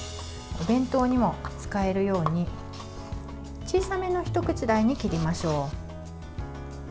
お弁当にも使えるように小さめの一口大に切りましょう。